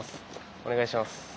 お願いします。